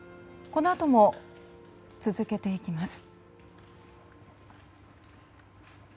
このあとも続けていきます。